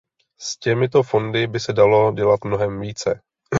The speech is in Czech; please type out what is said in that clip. S těmito fondy by se dalo dělat mnohem více.